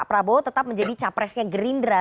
prabowo tetap menjadi capresnya gerindra